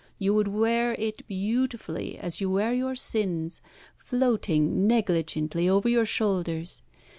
You would wear it beautifully, as you wear your sins, floating negligently over your shoulders.